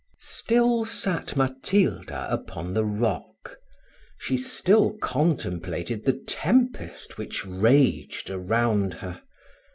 Still sat Matilda upon the rock she still contemplated the tempest which raged around her.